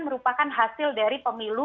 merupakan hasil dari pemilu